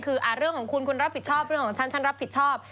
คือเรื่องของคุณคุณรับผิดชอบเรื่องของฉันฉันรับผิดชอบ